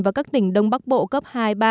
và các tỉnh đông bắc bộ cấp hai ba